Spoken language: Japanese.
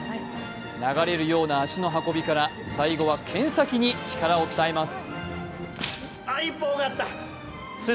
流れるような足の運びから最後は剣先に力を伝えます。